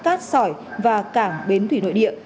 cát sỏi và cảng bến thủy nội địa